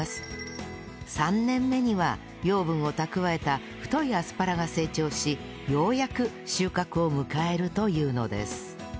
３年目には養分を蓄えた太いアスパラが成長しようやく収穫を迎えるというのです